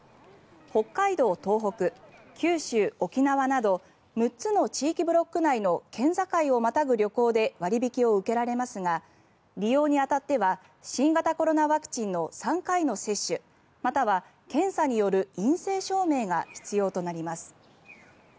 北海道・東北九州・沖縄など６つの地域ブロック内の県境をまたぐ旅行で割引を受けられますが利用に当たっては新型コロナワクチンの３回の接種または検査による陰性証明が必要となります。